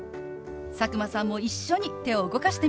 佐久間さんも一緒に手を動かしてみましょう。